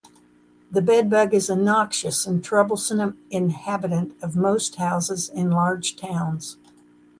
The bedbug is a noxious and troublesome inhabitant of most houses in large towns.